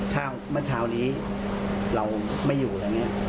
ถ้าเมื่อเช้านี้เราไม่อยู่แล้วเนี่ย